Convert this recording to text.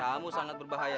kamu sangat berbahaya